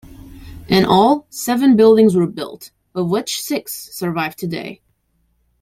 In all, seven buildings were built, of which six survive today.